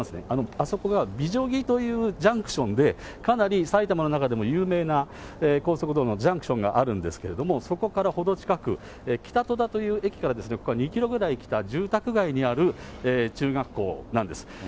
あそこが美女木というジャンクションで、かなり埼玉の中でも有名な高速道路のジャンクションがあるんですけれども、そこから程近く、北戸田という駅からここは２キロぐらい来た、住宅街にある中学校なんです。